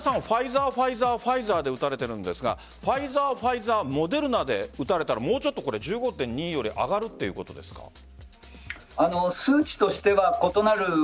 ファイザー、ファイザーファイザーで打たれているんですがファイザー、ファイザーモデルナで打たれたらもうちょっと１５．２より上がるということですか？